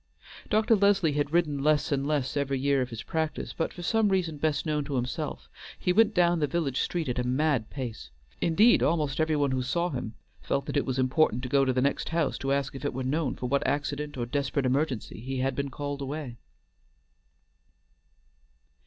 Dr. Leslie had ridden less and less every year of his practice; but, for some reason best known to himself, he went down the village street at a mad pace. Indeed, almost everybody who saw him felt that it was important to go to the next house to ask if it were known for what accident or desperate emergency he had been called away.